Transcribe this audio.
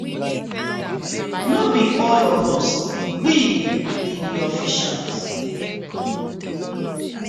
No bi all of us, we bi di officials.